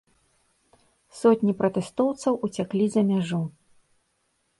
Сотні пратэстоўцаў уцяклі за мяжу.